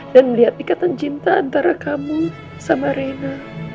melihat ikatan cinta antara kamu sama reina